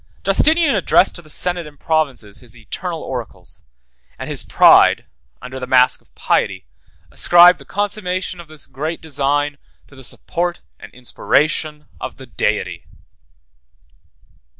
Justinian addressed to the senate and provinces his eternal oracles; and his pride, under the mask of piety, ascribed the consummation of this great design to the support and inspiration of the Deity.